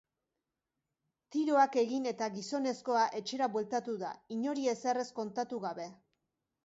Tiroak egin eta gizonezkoa etxera bueltatu da, inori ezer ez kontatu gabe.